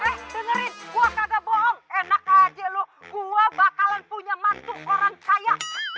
eh dengerin gua kagak bohong enak aja lu gua bakalan punya mantu orang kaya